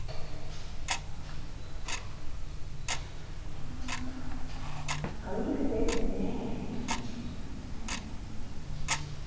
あ何かいい風情ですね。